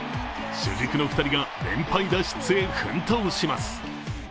主軸の２人が、連敗脱出へ奮闘します。